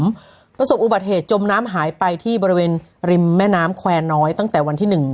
ประสบอุบัติเหตุจมน้ำหายไปที่บริเวณริมแม่น้ำแควร์น้อยตั้งแต่วันที่๑